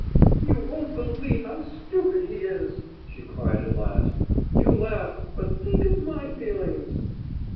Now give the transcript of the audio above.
"You wouldn't believe how stupid he is!" she cried at last. "You laugh, but think of my feelings!"